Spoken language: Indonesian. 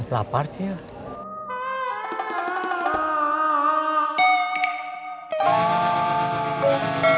lapar sih ya